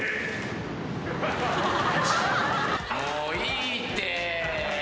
もういいって。